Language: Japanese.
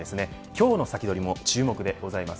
今日のサキドリも注目でございます。